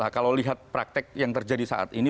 kalau lihat praktek yang terjadi saat ini